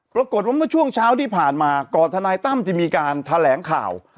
เมื่อช่วงเช้าที่ผ่านมาก่อนทนายตั้มจะมีการแถลงข่าว